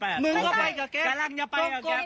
กำลังจะไปกับแก๊ป